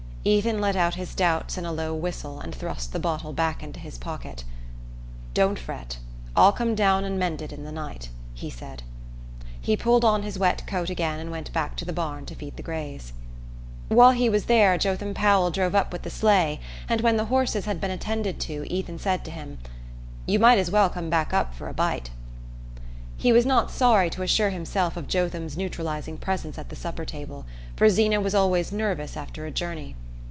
Ethan let out his doubts in a low whistle and thrust the bottle back into his pocket. "Don't fret; I'll come down and mend it in the night," he said. He pulled on his wet coat again and went back to the barn to feed the greys. While he was there Jotham Powell drove up with the sleigh, and when the horses had been attended to Ethan said to him: "You might as well come back up for a bite." He was not sorry to assure himself of Jotham's neutralising presence at the supper table, for Zeena was always "nervous" after a journey.